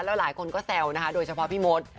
แล้วหลายคนก็แซวนะคะโดยเฉพาะพี่มด